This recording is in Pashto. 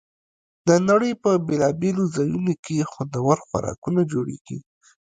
د نړۍ په بېلابېلو ځایونو کې خوندور خوراکونه جوړېږي.